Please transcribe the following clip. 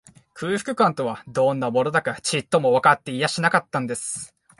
空腹感とは、どんなものだか、ちっともわかっていやしなかったのです